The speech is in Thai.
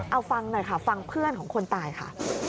เอาฟังหน่อยค่ะฟังเพื่อนของคนตายค่ะ